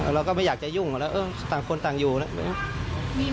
เราก็ไม่อยากจะยุ่งแล้วต่างคนต่างอยู่แล้ว